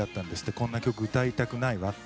こんな曲歌いたくないわって。